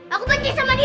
aku benci sama dia